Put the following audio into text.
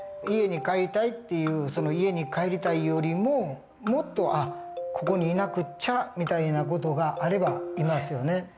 家に帰りたいっていう家に帰りたいよりももっと「あっここにいなくっちゃ」みたいな事があればいますよね。